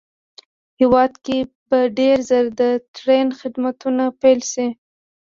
هېواد کې به ډېر زر د ټرېن خدمتونه پېل شي